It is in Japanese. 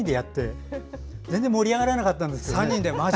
全然盛り上がらなかったんです。